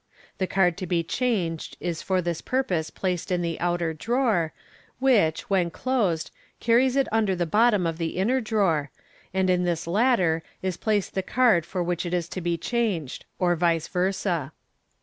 The card to be changed is for this purpose placed in the outer drawer, whieh, when closed, carries it undrr the bottom of the inner drawer, and in this latter is placed the card for which it is to be changed, or vice versa.